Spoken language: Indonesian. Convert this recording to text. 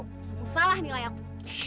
kamu salah nilai aku